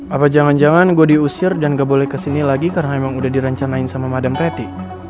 apa jangan jangan gue diusir dan nggak boleh kesini lagi karena emang udah direncanain sama madam reti